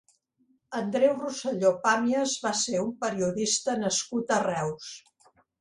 Andreu Roselló Pàmies va ser un periodista nascut a Reus.